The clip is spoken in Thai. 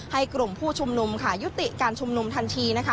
ให้กลุ่มผู้ชุมนุมยุติการชุมนุมทันที